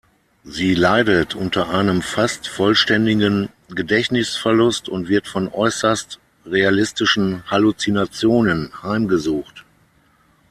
Sie leidet unter einem fast vollständigen Gedächtnisverlust und wird von äußerst realistischen Halluzinationen heimgesucht.